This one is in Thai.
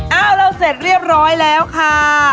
อ้าวเราเสร็จเรียบร้อยแล้วค่ะ